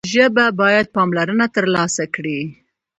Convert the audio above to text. ژبه باید پاملرنه ترلاسه کړي.